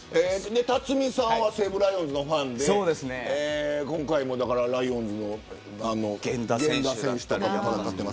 辰巳さんは西武ライオンズのファンで今回、ライオンズの源田選手だったり。